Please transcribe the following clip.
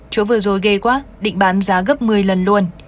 chỗ vừa rồi ghê quá định bán giá gấp một mươi lần luôn